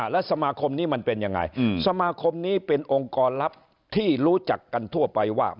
และสมาคมนี้มันเป็นยังไงสมาคมนี้เป็นองค์กรลับที่รู้จักกันทั่วไปว่า